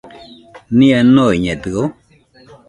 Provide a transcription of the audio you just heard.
Nia noiñedɨo?